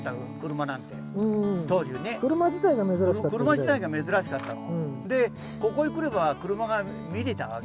車自体が珍しかったの。